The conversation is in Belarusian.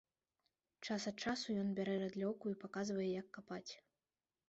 Час ад часу ён бярэ рыдлёўку і паказвае, як капаць.